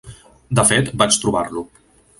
De fet, vaig trobar-lo.